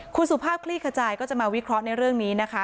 คุณสุภาพคลี่ขจายก็จะมาวิเคราะห์ในเรื่องนี้นะคะ